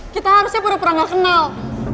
kita harusnya berdua pernah gak kenal